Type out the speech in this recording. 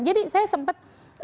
jadi saya sempat